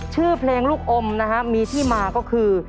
ชื่อเพลงลูกอมนะฮะมีที่มาก็คือ